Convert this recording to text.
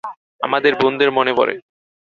আমার বোনদের মনে পড়ে।